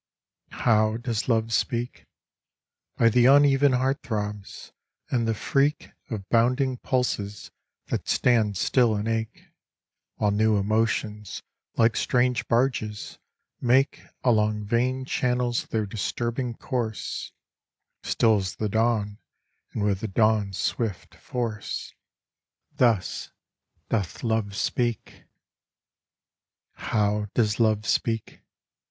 How does Love speak? By the uneven heart throbs, and the freak Of bounding pulses that stand still and ache, While new emotions, like strange barges, make Along vein channels their disturbing course; Still as the dawn, and with the dawn's swift force Thus doth Love speak. How does Love speak?